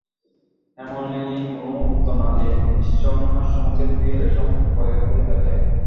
হেমনলিনী কোনো উত্তর না দিয়া ঈষৎ হাস্যমুখে ছুঁচে রেশম পরাইতে থাকে।